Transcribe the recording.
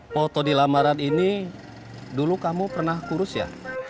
foto di lamaran ini dulu kamu pernah kurus ya